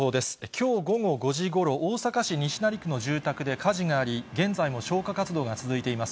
きょう午後５時ごろ、大阪市西成区の住宅で火事があり、現在も消火活動が続いています。